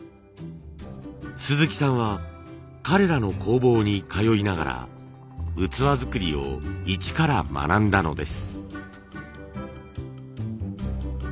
鈴木さんは彼らの工房に通いながら器作りを一から学んだのです。